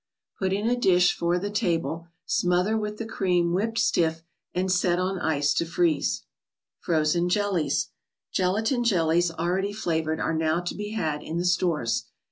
Put in a dish for the table, smother with the cream whipped stiff, and set on ice to freeze. fnnett 3!elUc& Gelatine i eIlies alread y fla ^ vored are now to be had in the stores.